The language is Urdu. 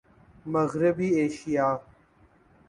مغربی ایشیا